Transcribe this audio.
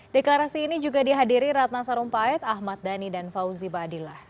deklarasi ini juga dihadiri ratna sarumpait ahmad dhani dan fauzi badillah